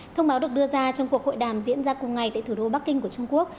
thông báo được đưa ra trong cuộc hội đàm diễn ra cùng ngày tại thủ đô bắc kinh của trung quốc